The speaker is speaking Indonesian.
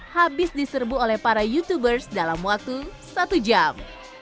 habis diserbu oleh para youtubers dalam waktu satu jam